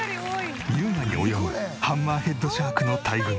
優雅に泳ぐハンマーヘッドシャークの大群。